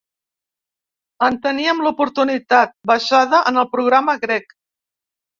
En teníem l’oportunitat, basada en el programa grec.